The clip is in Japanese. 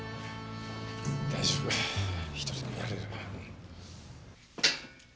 大丈夫一人でもやれる。